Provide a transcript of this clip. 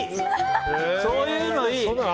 そういうのいい！